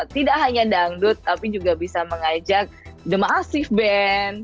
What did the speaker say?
tidak hanya dangdut tapi juga bisa mengajak the masif band